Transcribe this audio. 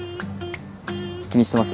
気にしてます？